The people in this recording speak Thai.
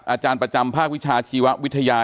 อาจารย์ประจำภาควิชาชีววิทยา